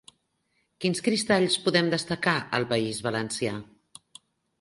Quins cristalls podem destacar al País Valencià?